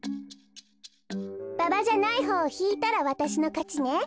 ババじゃないほうをひいたらわたしのかちね。